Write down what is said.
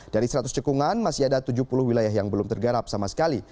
dari seratus cekungan masih ada tujuh puluh wilayah yang belum tergarap sama sekali